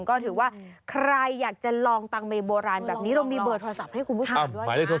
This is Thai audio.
ก็ถือว่าใครอยากจะลองตังเมโบราณแบบนี้เรามีเบอร์โทรศัพท์ให้คุณผู้ชมด้วย